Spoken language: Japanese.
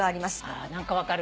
あー何か分かる。